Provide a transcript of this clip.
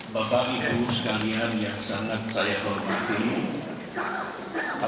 bapak ibu sekalian yang sangat saya hormati